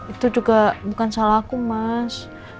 itu juga bukan salah aku mas